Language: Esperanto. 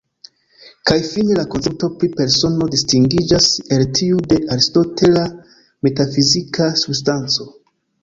Kaj fine la koncepto pri persono distingiĝas el tiu de aristotela metafizika substanco.